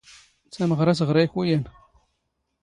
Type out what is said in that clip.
ⵜⴰⵎⵖⵔⴰ ⵜⵖⵔⴰ ⵉ ⴽⵓ ⵢⴰⵏ